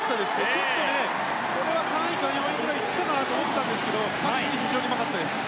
ちょっと３位か４位ぐらいに行ったかなと思ったんですがタッチ、非常にうまかったです。